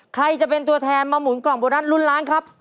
ใครจะเป็นตัวแทนมาหมุนกล่องโบนัสลุ้นล้านครับ